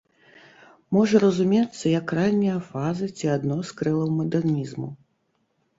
Можа разумецца як ранняя фаза ці адно з крылаў мадэрнізму.